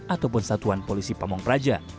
ataupun satuan polisi pamung praja